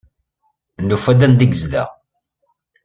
Nufa-d anda ay yezdeɣ.